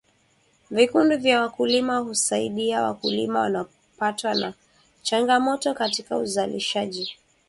vikundi vya wakulima huwasaidi wakulima wanaopatwa na changamoto katika uzalishaji